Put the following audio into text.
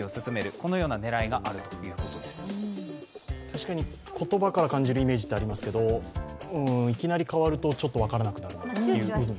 確かに言葉から感じるイメージはありますけど、いきなり変わるとちょっと分からなくなる。